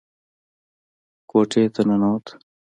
کوټې ته ننوت.